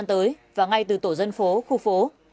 tới và ngay từ tổ dân phố khu phố